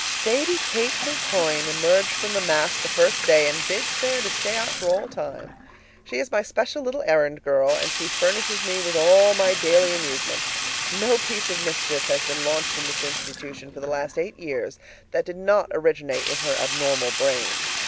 Sadie Kate Kilcoyne emerged from the mass the first day, and bids fair to stay out for all time. She is my special little errand girl, and she furnishes me with all my daily amusement. No piece of mischief has been launched in this institution for the last eight years that did not originate in her abnormal brain.